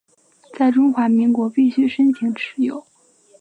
在中华民国必须申请持有。